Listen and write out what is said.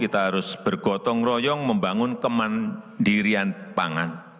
kita harus bergotong royong membangun kemandirian pangan